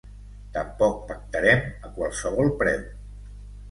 Tampoc pactarem a qualsevol preu.